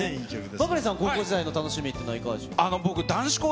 バカリさん、高校時代って何かいかがでしょうか。